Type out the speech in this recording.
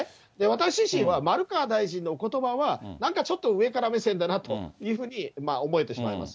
私自身は丸川大臣のおことばは、なんかちょっと上から目線だなというふうに思えてしまいます。